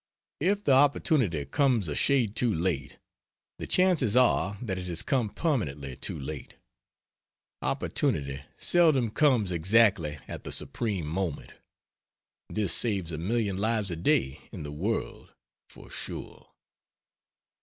If the opportunity comes a shade too late, the chances are that it has come permanently too late. Opportunity seldom comes exactly at the supreme moment. This saves a million lives a day in the world for sure.